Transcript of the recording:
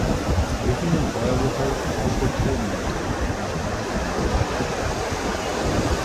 বিভিন্ন ভয়াবহ অসুখের মধ্যে মশা বাহিত ম্যালেরিয়া, ডেঙ্গু উল্লেখযোগ্য।